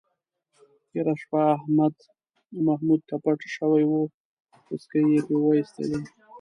تېره شپه احمد محمود ته پټ شوی و، پسکې یې پې وایستلی.